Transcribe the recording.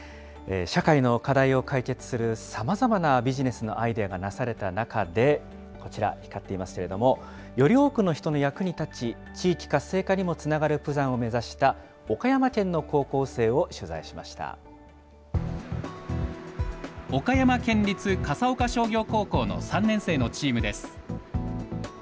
社会の課題を解決するさまざまなビジネスのアイデアが出された中でこちら、かっていますけれども、より多くの人の役に立ち、地域活性化にもつながるプランを目指した岡山県の高校生を取材し岡山県立笠岡商業高校の３年生のチームです。